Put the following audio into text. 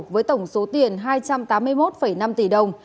với tổng số tiền hai trăm tám mươi một năm tỷ đồng